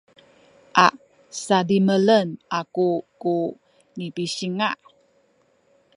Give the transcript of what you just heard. a sadimelen aku ku nipisinga’